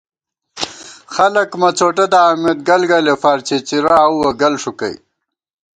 خَلَک مڅوٹہ دامېت گلگَلےفار څِڅِرہ آؤوَہ گل ݭُکَئ